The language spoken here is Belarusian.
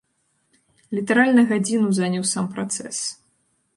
Літаральна гадзіну заняў сам працэс.